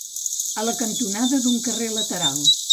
A la cantonada d'un carrer lateral